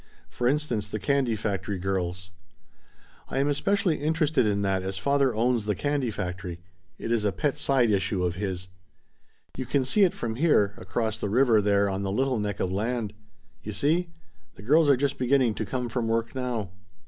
For instance, the candy factory girls. I am especially interested in that as father owns the candy factory it is a pet side issue of his. You can see it from here, across the river there on the little neck of land. You see? The girls are just beginning to come from work now."